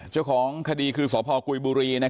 เจ้าของคดีคือสพกุยบุรี